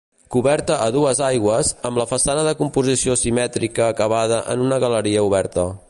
Coberta a dues aigües, amb la façana de composició simètrica acabada en una galeria oberta.